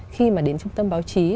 khi mà đến trung tâm báo chí